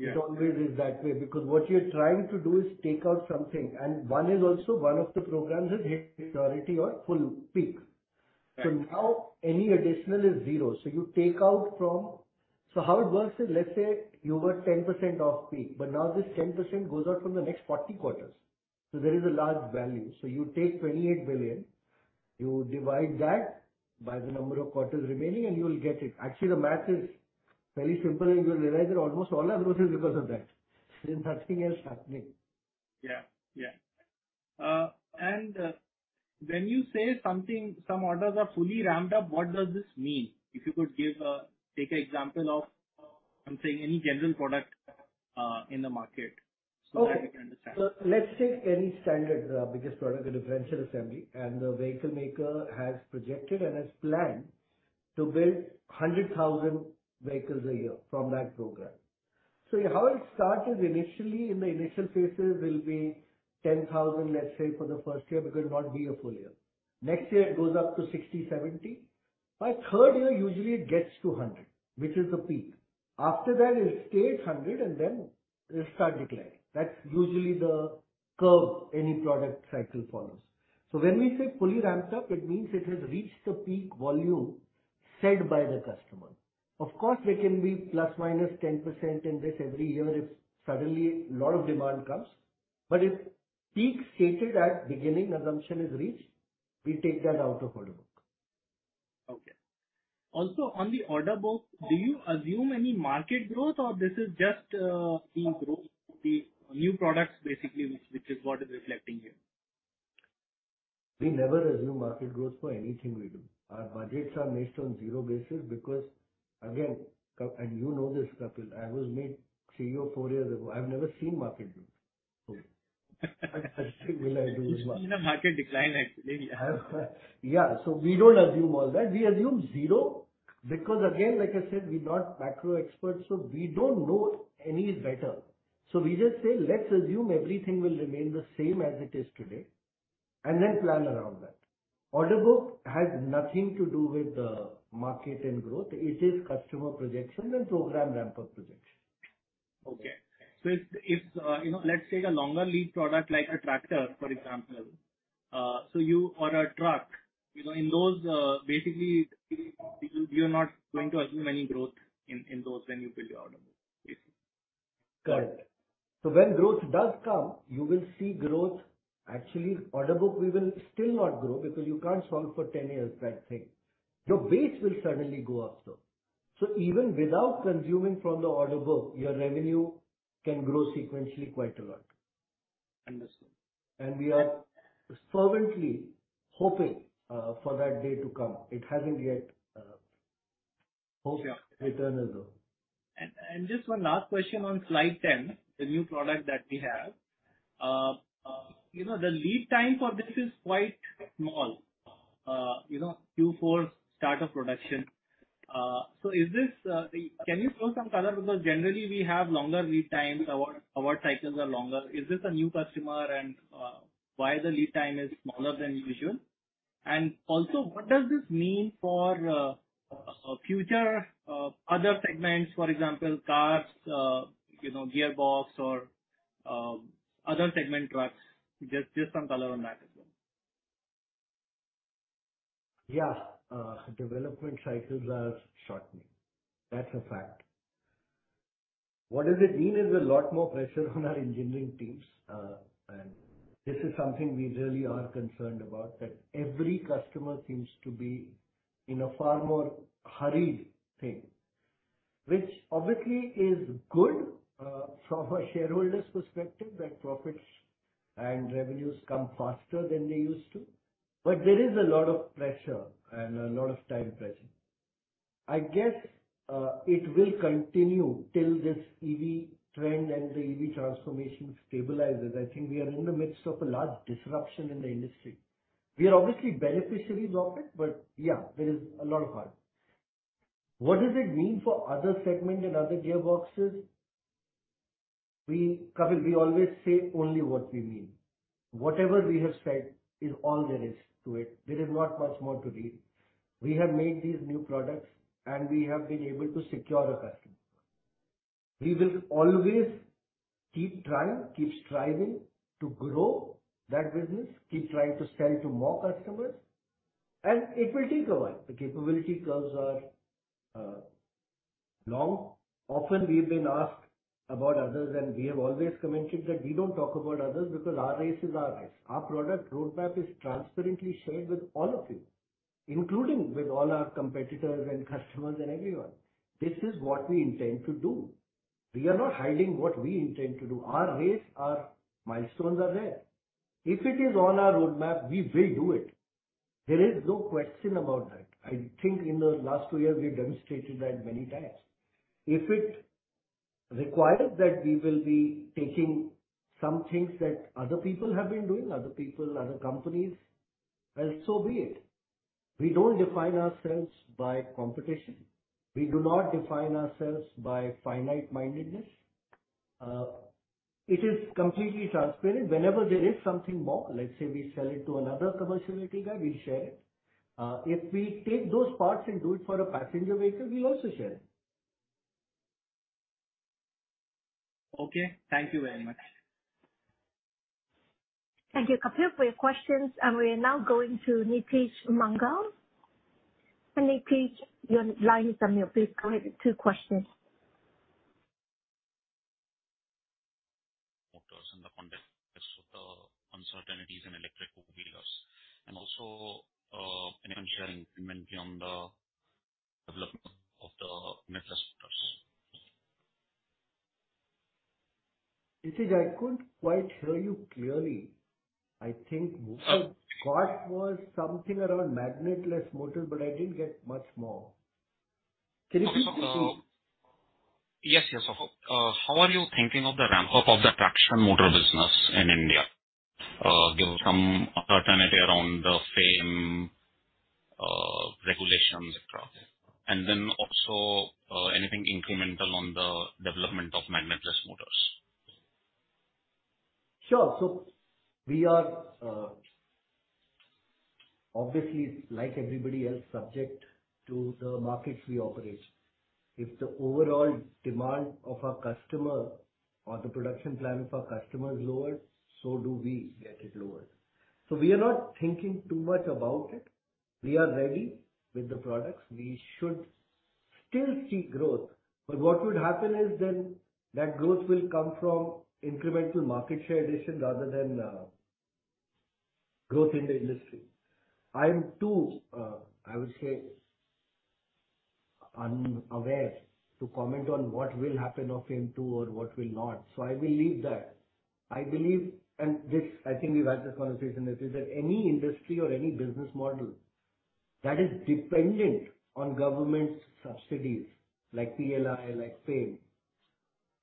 way. Yeah. It always is that way, because what you're trying to do is take out something, and one is also one of the programs is hit already or full peak. Right. Now any additional is zero. You take out from... How it works is, let's say you were 10% off peak, but now this 10% goes out from the next 40 quarters. There is a large value. You take $28 billion, you divide that by the number of quarters remaining, and you'll get it. Actually, the math is very simple, and you'll realize that almost all our growth is because of that. There's been nothing else happening. Yeah. Yeah. When you say something, some orders are fully ramped up, what does this mean? If you could take example of, I'm saying, any general product in the market so that we can understand. Let's take any standard, biggest product with a venture assembly, and the vehicle maker has projected and has planned to build 100,000 vehicles a year from that program. How it starts is initially, in the initial phases will be 10,000, let's say, for the first year because it might not be a full year. Next year, it goes up to 60, 70. By third year, usually it gets to 100, which is the peak. After that, it'll stay at 100, and then it'll start declining. That's usually the curve any product cycle follows. When we say fully ramped up, it means it has reached the peak volume set by the customer. Of course, there can be plus minus 10% in this every year if suddenly a lot of demand comes. If peak stated at beginning assumption is reached, we take that out of order book. Okay. Also, on the order book, do you assume any market growth or this is just, the growth, the new products basically which is what is reflecting here? We never assume market growth for anything we do. Our budgets are based on zero basis because, again, Kap... You know this, Kapil, I was made CEO four years ago. I've never seen market growth. I still believe it was- You've seen a market decline, actually. Yeah. We don't assume all that. We assume zero because again, like I said, we're not macro experts, so we don't know any better. We just say, "Let's assume everything will remain the same as it is today," and then plan around that. Order book has nothing to do with the market and growth. It is customer projection and program ramp-up projection. Okay. If, if, you know, let's take a longer lead product like a tractor, for example, you or a truck, you know, in those, basically you're not going to assume any growth in those when you build your order book, basically. Correct. When growth does come, you will see growth. Actually, order book we will still not grow because you can't solve for 10 years that thing. Your base will suddenly go up though. Even without consuming from the order book, your revenue can grow sequentially quite a lot. Understood. We are fervently hoping for that day to come. It hasn't yet, hope it will return as well. Just one last question on slide ten, the new product that we have. You know, the lead time for this is quite small. You know, Q4 start of production. Is this, can you throw some color? Because generally we have longer lead times. Our cycles are longer. Is this a new customer and why the lead time is smaller than usual? Also what does this mean for future other segments, for example, cars, you know, gearbox or other segment trucks? Just some color on that as well. Yeah. Development-cycles are shortening. That's a fact. What does it mean is a lot more pressure on our engineering teams. This is something we really are concerned about, that every customer seems to be in a far more hurried thing. Which obviously is good from a shareholder's perspective, that profits and revenues come faster than they used to. There is a lot of pressure and a lot of time pressure. I guess, it will continue till this EV trend and the EV transformation stabilizes. I think we are in the midst of a large disruption in the industry. We are obviously beneficiaries of it, but there is a lot of hard. What does it mean for other segment and other gearboxes? Kapil, we always say only what we mean. Whatever we have said is all there is to it. There is not much more to read. We have made these new products, and we have been able to secure a customer. We will always keep trying, keep striving to grow that business, keep trying to sell to more customers, and it will take a while. The capability curves are long. Often we've been asked about others, and we have always commented that we don't talk about others because our race is our race. Our product roadmap is transparently shared with all of you, including with all our competitors and customers and everyone. This is what we intend to do. We are not hiding what we intend to do. Our race, our milestones are there. If it is on our roadmap, we will do it. There is no question about that. I think in the last two years, we demonstrated that many times. If it requires that we will be taking some things that other people have been doing, other people, other companies, well, so be it. We don't define ourselves by competition. We do not define ourselves by finite mindedness. It is completely transparent. Whenever there is something more, let's say we sell it to another commercial vehicle guy, we share it. If we take those parts and do it for a passenger vehicle, we also share it. Okay. Thank you very much. Thank you, Kapil, for your questions. We are now going to Nitij Mangal. Nitij, your line is on mute. Please go ahead with two questions. Motors in the context of the uncertainties in electric two-wheelers, and also, any sharing incrementally on the development of the magnet-less motors. Nitij, I couldn't quite hear you clearly. I think what I caught was something around magnet-less motor, but I didn't get much more. Can you please- Yes, yes. How are you thinking of the ramp-up of the traction motor business in India? Give some certainty around the FAME regulations. Also, anything incremental on the development of magnet-less motors? Sure. We are, obviously like everybody else, subject to the markets we operate. If the overall demand of our customer or the production plan of our customer is lowered, so do we get it lowered. We are not thinking too much about it. We are ready with the products. We should still see growth. What would happen is then that growth will come from incremental market share addition rather than growth in the industry. I am too, I would say unaware to comment on what will happen of FAME II or what will not. I will leave that. I believe, and I think we've had this conversation, Nitij, that any industry or any business model that is dependent on government subsidies like PLI, like FAME,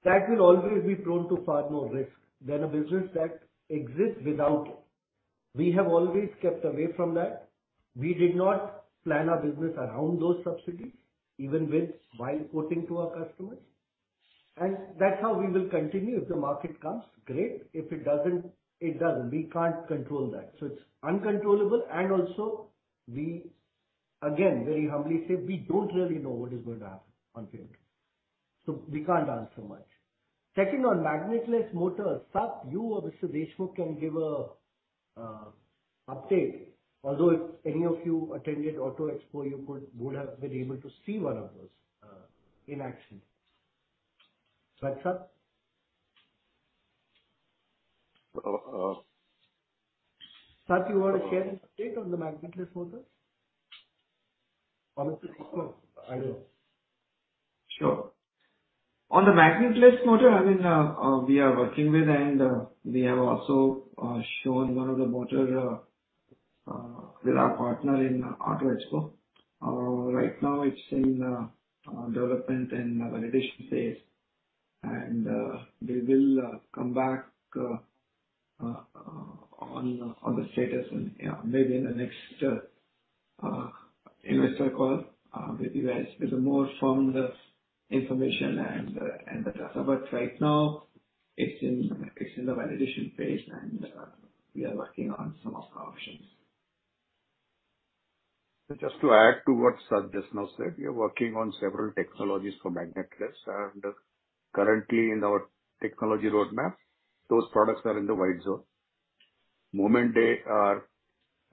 that will always be prone to far more risk than a business that exists without it. We have always kept away from that. We did not plan our business around those subsidies, even with while quoting to our customers. That's how we will continue. If the market comes, great. If it doesn't, it doesn't. We can't control that. It's uncontrollable and also we again, very humbly say we don't really know what is going to happen on fuel. We can't answer much. Checking on magnet-less motors, Sat, you or Mr. Deshmukh can give a update. Although if any of you attended Auto Expo, you would have been able to see one of those in action. Sat, sir. Uh, uh- Sat, you want to share an update on the magnet-less motors? Or Mr. Deshmukh. I don't know. Sure. On the magnet-less motor, I mean, we are working with and we have also shown one of the motor with our partner in Auto Expo. Right now it's in development and validation phase, and we will come back on the status maybe in the next investor call with you guys with a more firm information and the data. Right now it's in the validation phase and we are working on some of the options. Just to add to what Sat just now said, we are working on several technologies for magnet-less. Currently in our technology roadmap, those products are in the white-zone. Moment they are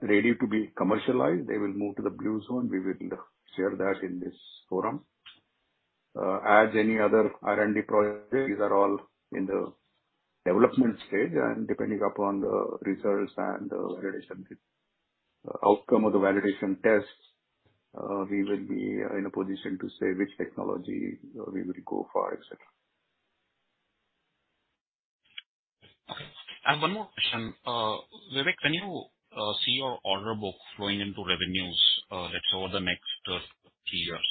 ready to be commercialized, they will move to the blue-zone. We will share that in this forum. As any other R&D projects, these are all in the development stage, and depending upon the results and the outcome of the validation tests, we will be in a position to say which technology we will go for, et cetera. Okay. I have one more question. Vivek, when you see your order book flowing into revenues, let's say over the next three years,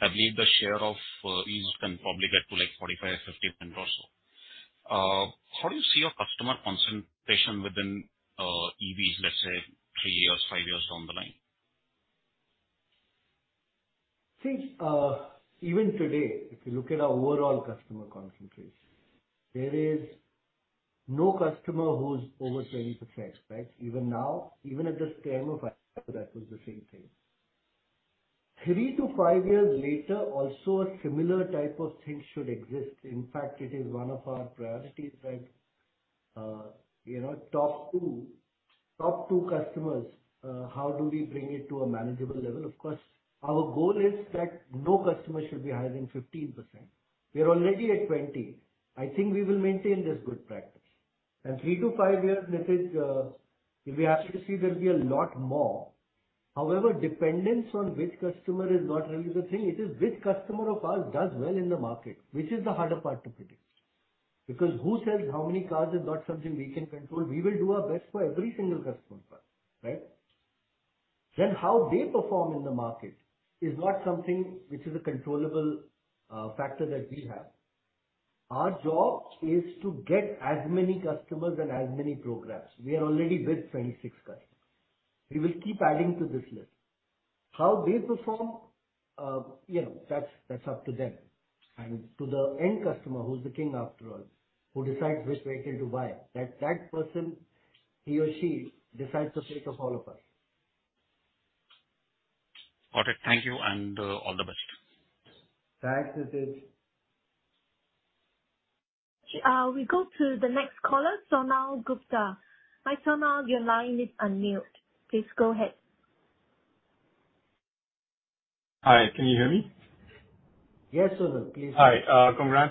I believe the share of EVs can probably get to like 45%, 50% or so. How do you see your customer concentration within EVs, let's say three years, three years down the line? See, even today, if you look at our overall customer concentration, there is no customer who's over 20%, right? Even now, even at the time of IPO, that was the same thing. 3-5 years later, also a similar type of thing should exist. In fact, it is one of our priorities that, you know, top two customers, how do we bring it to a manageable level. Of course, our goal is that no customer should be higher than 15%. We are already at 20. I think we will maintain this good practice. 3-5 years, Nitish, if we ask to see, there'll be a lot more. Dependence on which customer is not really the thing. It is which customer of ours does well in the market, which is the harder part to predict. Who sells how many cars is not something we can control. We will do our best for every single customer first, right? How they perform in the market is not something which is a controllable factor that we have. Our job is to get as many customers and as many programs. We are already with 26 customers. We will keep adding to this list. How they perform, you know, that's up to them and to the end customer who's the king after all, who decides which vehicle to buy. That person, he or she decides the fate of all of us. Got it. Thank you, and all the best. Thanks, Nitij. We go to the next caller, Sonal Gupta. Hi, Sonal. Your line is unmuted. Please go ahead. Hi. Can you hear me? Yes, Sonal. Please go ahead. Hi.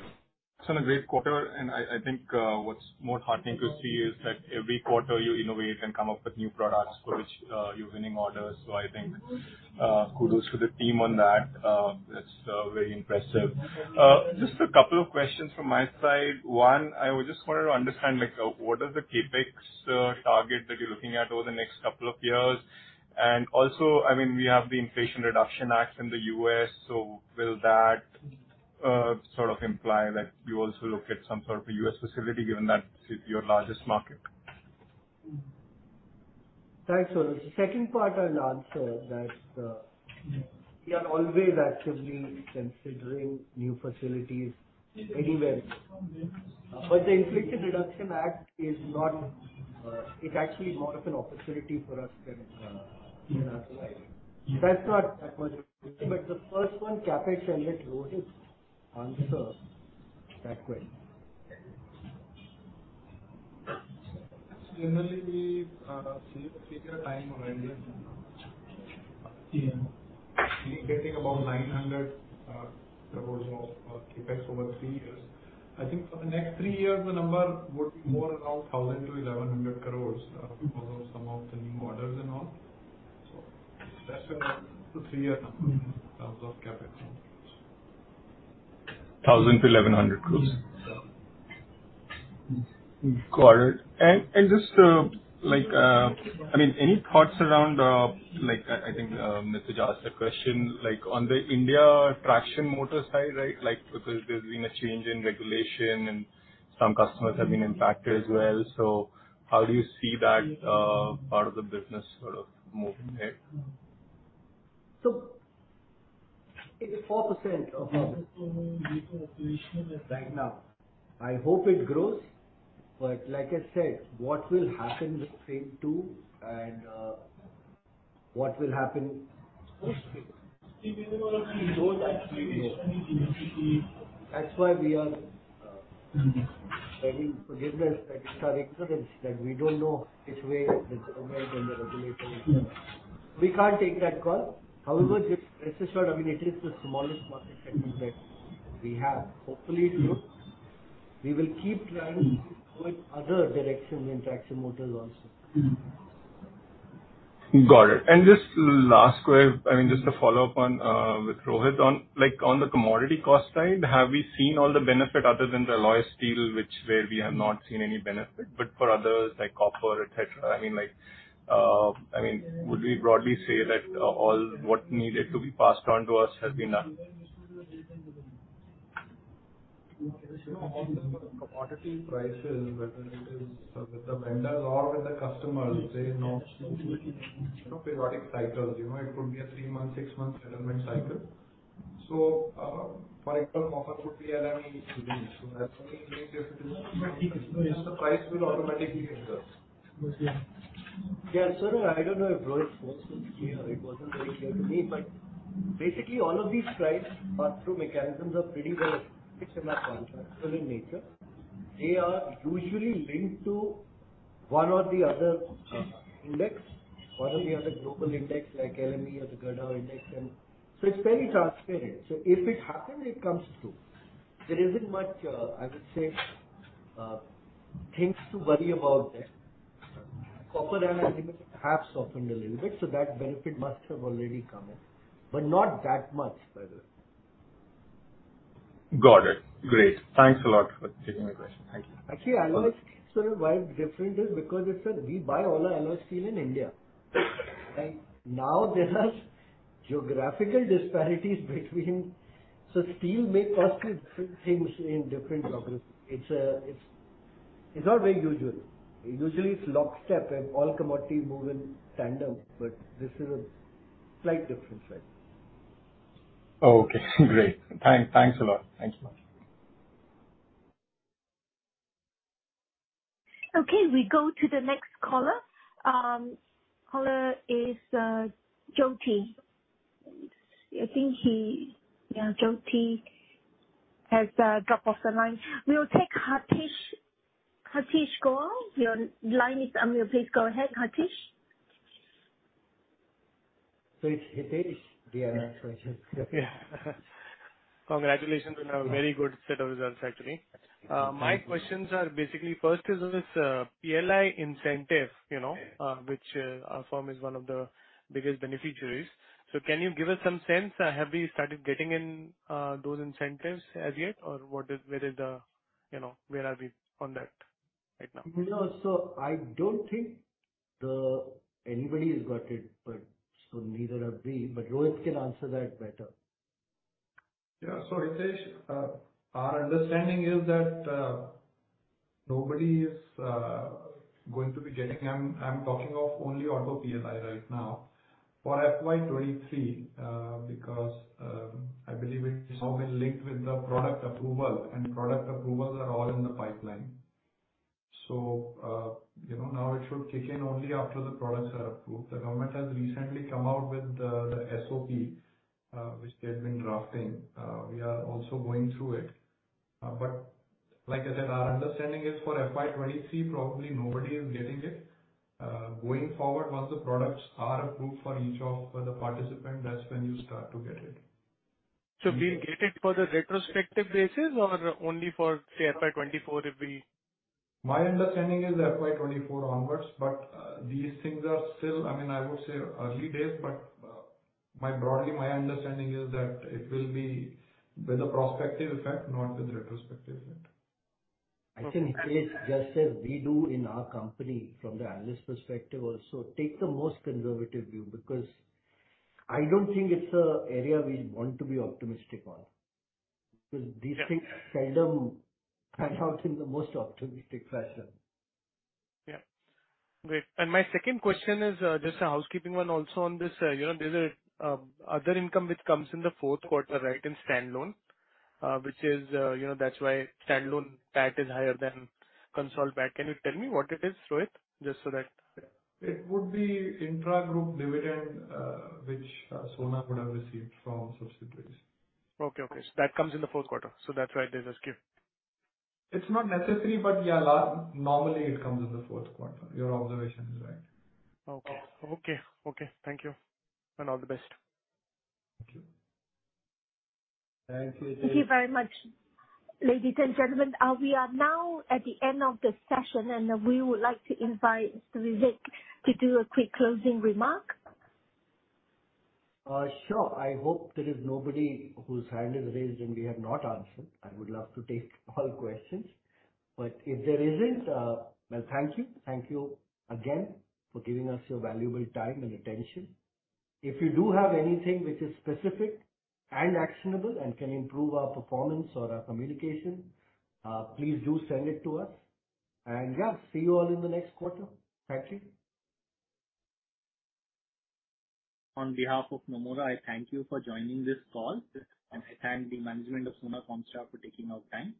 congrats on a great quarter, and I think, what's more heartening to see is that every quarter you innovate and come up with new products for which, you're winning orders. I think, kudos to the team on that. That's very impressive. Just a couple of questions from my side. One, I would just wanted to understand, like, what are the CapEx targets that you're looking at over the next couple of years. Also, I mean, we have the Inflation Reduction Act in the US, will that sort of imply that you also look at some sort of a U.S. facility given that it's your largest market? Thanks, Sonal. Second part I'll answer that, we are always actively considering new facilities anywhere. The Inflation Reduction Act is not, it's actually more of an opportunity for us than otherwise. That's not that much, the first one, CapEx, I'll let Rohit answer that question. Generally, we save a particular time of revenue. Yeah. We're getting about 900 crores of CapEx over three years. I think for the next three years, the number would be more around 1,000-1,100 crores, because of some of the new orders and all. That's the three-year number in terms of CapEx. 1,000 crores-1,100 crores? Yeah. Got it. Just, like, I mean, any thoughts around, like, I think, Nitij asked the question, like on the India traction-motor side, right? Like, because there's been a change in regulation and some customers have been impacted as well. How do you see that part of the business sort of moving ahead? It's 4% of our right now. I hope it grows, but like I said, what will happen with FAME II. That's why we are, I mean, forgive us, but it's our experience that we don't know which way the government and the regulation is going. We can't take that call. However, rest assured, I mean, it is the smallest market segment that we have. Hopefully it grows. We will keep trying to go in other directions in traction-motors also. Got it. I mean, just a follow-up on, with Rohit. On, like, on the commodity cost side, have we seen all the benefit other than the alloy steel, which where we have not seen any benefit, but for others like copper, et cetera, I mean, like, I mean, would we broadly say that, all what needed to be passed on to us has been done? You know, on the commodity prices, whether it is with the vendors or with the customers, there are no periodic cycles. You know, it could be a three-month, six-month settlement cycle. For example, copper could be LME. That's only link is to know the price will automatically adjust. Understood. Yeah. I don't know if Rohit was so clear. It wasn't very clear to me. Basically, all of these price are through mechanisms of pretty well fixed and are contractual in nature. They are usually linked to one or the other index, one or the other global index like LME or the Gadha index. It's very transparent. If it happens, it comes through. There isn't much, I would say, things to worry about there. Copper and aluminum have softened a little bit, so that benefit must have already come in, but not that much by the way. Got it. Great. Thanks a lot for taking my question. Thank you. Actually, alloy steel, sir, why different is because it's. We buy all our alloy steel in India. Now there are geographical disparities. Steel may cost different things in different geographies. It's not very usual. Usually it's lockstep and all commodity move in tandem. This is a slight difference, right? Okay, great. Thanks a lot. Okay, we go to the next caller. Caller is Jyoti. I think he. Yeah, Jyoti has dropped off the line. We'll take Hitesh. Hitesh Goel, your line is unmute. Please go ahead, Hitesh. it's Hitesh. Diana Yeah. Congratulations on a very good set of results, actually. Thank you. My questions are basically, first is on this, PLI incentive, you know, which our firm is one of the biggest beneficiaries. Can you give us some sense, have you started getting in, those incentives as yet or what is, where is the, you know, where are we on that right now? You know, so I don't think anybody's got it, but so neither have we. Rohit can answer that better. Hitesh, our understanding is that nobody is going to be getting, I'm talking of only auto PLI right now for FY23, because I believe it's now been linked with the product approval and product approvals are all in the pipeline. You know, now it should kick in only after the products are approved. The government has recently come out with the SOP, which they've been drafting. We are also going through it. But like I said, our understanding is for FY23, probably nobody is getting it. Going forward, once the products are approved for each of the participant, that's when you start to get it. Do we get it for the retrospective basis or only for, say, FY24? My understanding is FY24 onwards. These things are still, I mean, I would say early days, my broadly, my understanding is that it will be with a prospective effect, not with retrospective effect. I think Hitesh, just as we do in our company from the analyst perspective also take the most conservative view because I don't think it's a area we want to be optimistic on. These things seldom pan out in the most optimistic fashion. Yeah. Great. My second question is, just a housekeeping one also on this. You know, there's other income which comes in the fourth quarter, right? In standalone. Which is, you know, that's why standalone PAT is higher than consolidated PAT. Can you tell me what it is, Rohit? Just so that- It would be intragroup dividend, which Sona would have received from subsidiaries. Okay, okay. That comes in the Q4. That's why there's a skip. It's not necessary, but yeah, normally it comes in the Q4. Your observation is right. Okay. Okay, okay. Thank you. All the best. Thank you. Thank you, Hitesh. Thank you very much, ladies and gentlemen. We are now at the end of the session, and we would like to invite Mr. Vivek to do a quick closing remark. Sure. I hope there is nobody whose hand is raised and we have not answered. I would love to take all questions, but if there isn't, well, thank you. Thank you again for giving us your valuable time and attention. If you do have anything which is specific and actionable and can improve our performance or our communication, please do send it to us. Yeah, see you all in the next quarter. Thank you. On behalf of Nomura, I thank you for joining this call. I thank the management of Sona Comstar for taking out time.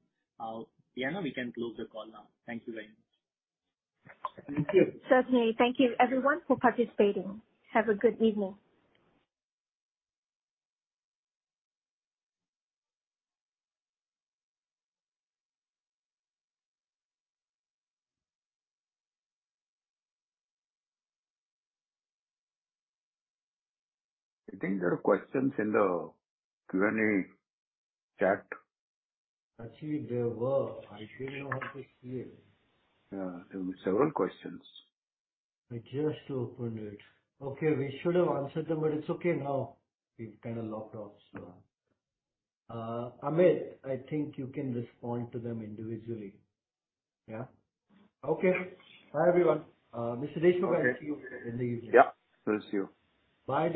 Diana, we can close the call now. Thank you very much. Thank you. Certainly. Thank you everyone for participating. Have a good evening. I think there are questions in the Q&A chat. Actually, there were. I didn't know how to see it. Yeah, there were several questions. I just opened it. Okay, we should have answered them, but it's okay now. We've kinda logged off so. Amit, I think you can respond to them individually. Yeah. Okay. Bye everyone. Mr. Deshmukh, I'll see you in the evening. Yeah. as you. Bye,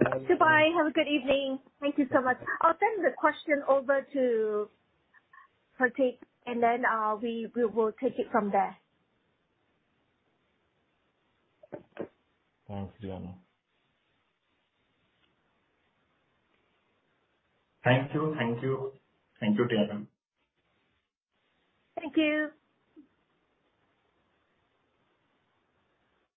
Diana. Goodbye. Have a good evening. Thank you so much. I'll send the question over to Hitesh and then we will take it from there. Thanks, Diana. Thank you. Thank you. Thank you, Diana. Thank you.